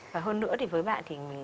và hơn nữa thì với bạn thì